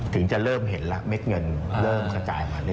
ถึงจะเริ่มเห็นแล้วเม็ดเงินเริ่มกระจายมาเรื่อย